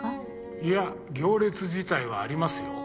いや行列自体はありますよ。